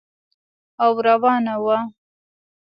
او روانه وه.